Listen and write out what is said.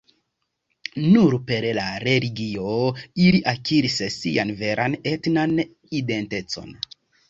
Nur per la religio ili akiris sian veran etnan identecon.